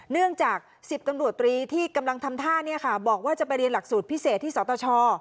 เนื่องจาก๑๐ตำรวจตรีที่กำลังทำท่าบอกว่าจะไปเรียนหลักสูตรพิเศษที่สตช